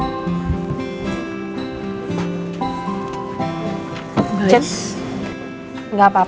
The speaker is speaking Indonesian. mungkin dia baru mau